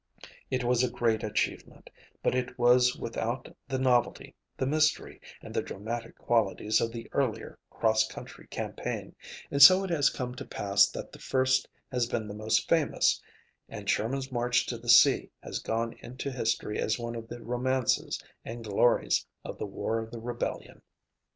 It was a great achievement, but it was without the novelty, the mystery, and the dramatic qualities of the earlier cross country campaign, and so it has come to pass that the first has been the most famous, and Sherman's march to the sea has gone into history as one of the romances and glories of the War of the Rebellion.